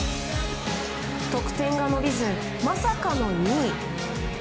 得点が伸びずまさかの２位。